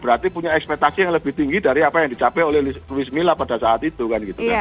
berarti punya ekspektasi yang lebih tinggi dari apa yang dicapai oleh luis mila pada saat itu kan gitu kan